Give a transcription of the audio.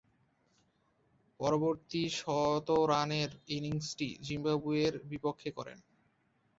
পরবর্তী শতরানের ইনিংসটি জিম্বাবুয়ের বিপক্ষে করেন।